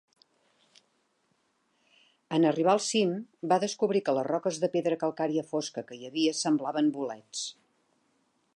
En arribar al cim, va descobrir que les roques de pedra calcària fosca que hi havia semblaven bolets.